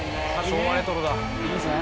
昭和レトロだいいっすね。